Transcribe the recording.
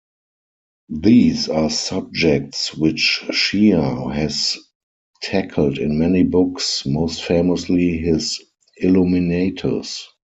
These are subjects which Shea has tackled in many books, most famously his Illuminatus!